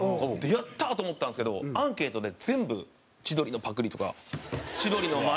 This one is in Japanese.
やったー！と思ったんですけどアンケートで全部「千鳥のパクリ」とか「千鳥のマネ」とかで。